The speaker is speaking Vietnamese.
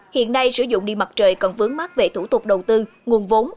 hiện nay sử dụng điện mặt trời còn vướng mắt về thủ tục đầu tư nguồn vốn